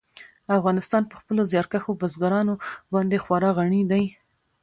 افغانستان په خپلو زیارکښو بزګانو باندې خورا غني دی.